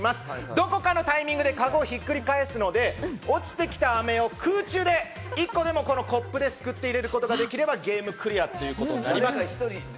どこかのタイミングで、かごをひっくり返すので、落ちてきた飴を空中で１個でもこのコップですくうことができればゲームクリアということになります。